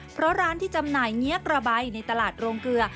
เพราะร้านที่จำหน่ายเงี้ยกระใบในตลาดโรงเกลือ